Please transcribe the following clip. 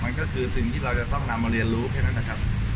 มันก็คือสิ่งที่เราจะต้องนำมาเรียนรู้แค่นั้นนะครับ